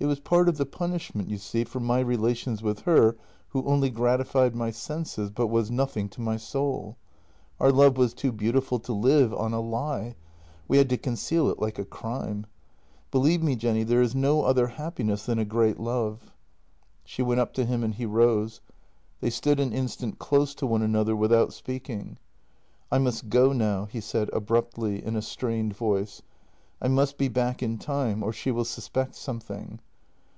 " It was part of the punishment, you see, for my relations with her who only gratified my senses, but was nothing to my soul. Our love was too beautiful to live on a lie; we had to conceal it like a crime. " Believe me, Jenny, there is no other happiness than a great love." She went up to him and he rose; they stood an instant close to one another without speaking. " I must go now," he said abruptly, in a strained voice. " I must be back in time, or she will suspect something."